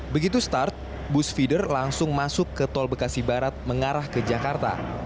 begitu start bus feeder langsung masuk ke tol bekasi barat mengarah ke jakarta